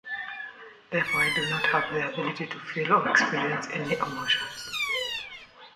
Therefore, I do not have the ability to feel or experience any emotions.